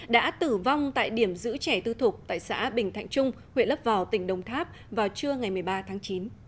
đã tử vong tại điểm giữ trẻ tư thục tại xã bình thạnh trung huyện lấp vò tỉnh đồng tháp vào trưa ngày một mươi ba tháng chín